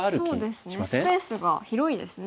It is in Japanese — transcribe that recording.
スペースが広いですね。